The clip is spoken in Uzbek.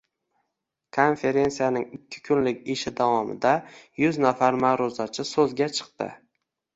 Konferensiyaning ikki kunlik ishi davomida yuz nafar maʼruzachi soʻzga chiqdi.